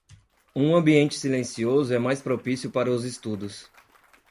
Um ambiente silencioso é mais propício para os estudos.